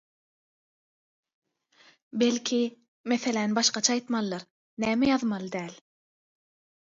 Belki, meseläni başgaça aýtmalydyr – näme ýazmaly däl?